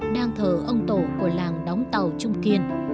đang thờ ông tổ của làng đóng tàu trung kiên